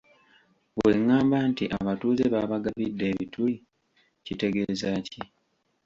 Bweŋŋamba nti abatuuze baabagabidde ebituli kitegeza ki?